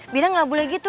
bira gak boleh gitu